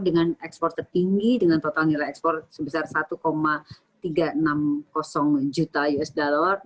dengan ekspor tertinggi dengan total nilai ekspor sebesar satu tiga ratus enam puluh juta usd